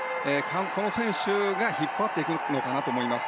この選手が引っ張っていくのかなと思います。